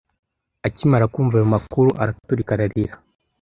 Akimara kumva ayo makuru, araturika ararira.